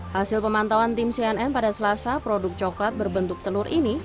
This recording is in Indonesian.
hasil pemantauan tim cnn pada selasa produk coklat berbentuk telur ini